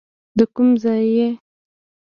د کوم ځای یې.